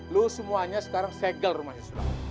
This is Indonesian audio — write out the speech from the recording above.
lu semuanya sekarang segel rumah si sulam